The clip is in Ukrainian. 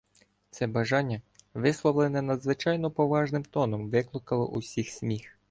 Це бажання, висловлене надзвичайно поважним тоном, викликало в усіх сміх.